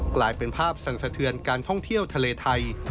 กลายเป็นภาพสั่นสะเทือนการท่องเที่ยวทะเลไทย